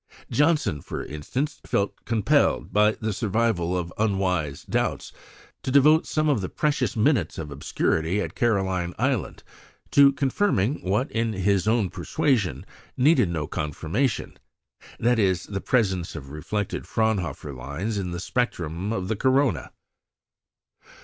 Janssen, for instance, felt compelled, by the survival of unwise doubts, to devote some of the precious minutes of obscurity at Caroline Island to confirming what, in his own persuasion, needed no confirmation that is, the presence of reflected Fraunhofer lines in the spectrum of the corona.